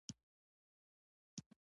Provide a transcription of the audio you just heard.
مقناطیس دوه قطبونه لري.